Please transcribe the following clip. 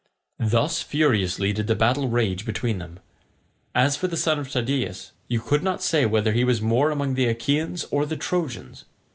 Thus furiously did the battle rage between them. As for the son of Tydeus, you could not say whether he was more among the Achaeans or the Trojans.